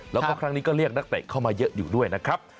แล้วก็ครั้งนี้ก็เรียกนักเตะเข้ามาเยอะอยู่ด้วยนะครับ